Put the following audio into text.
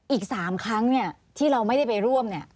อีก๓ครั้งเนี่ยที่เราไม่ได้ไปร่วมเนี่ย